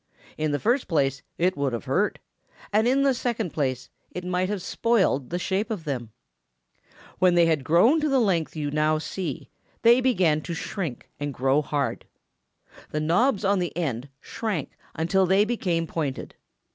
In the first place it would have hurt, and in the second place it might have spoiled the shape of them. "When they had grown to the length you now see, they began to shrink and grow hard. The knobs on the ends shrank until they became pointed.